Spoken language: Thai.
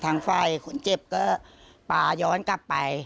ทางไฟคุณเจ็บก็ปาย้อนกลับไป